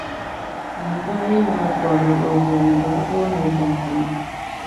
Bandɔɣu yi mali kɔbiri o zuli ni bɛ bi booni o jɛŋkuno.